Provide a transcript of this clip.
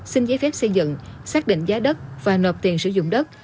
xin giấy phép xây dựng xác định giá đất và nộp tiền sử dụng đất